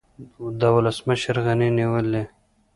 د ولسمشر غني نیولې